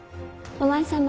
お父さま。